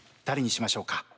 誰にしましょうか。